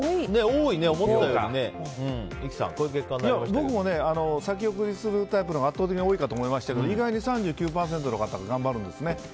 僕も先送りするタイプのほうが圧倒的に多いかと思いましたけど意外に３９％の方は頑張るんですね。